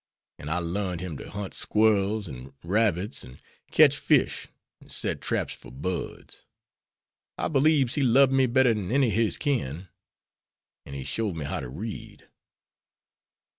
An' I learned him to hunt squirrels, an' rabbits, an' ketch fish, an' set traps for birds. I beliebs he lob'd me better dan any ob his kin'. An' he showed me how to read."